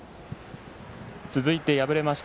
続いて敗れました